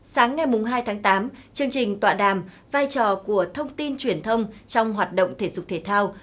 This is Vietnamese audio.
sáng ngày hai tháng tám chương trình tọa đàm vai trò của thông tin truyền thông trong hoạt động thể dục thể thao